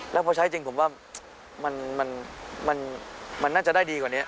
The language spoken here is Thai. แล้วพอใช้จริงผมว่ามันน่าจะได้ดีกว่านี้